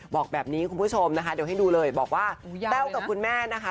บอกแบบนี้คุณผู้ชมนะคะเดี๋ยวให้ดูเลยบอกว่าแต้วกับคุณแม่นะคะ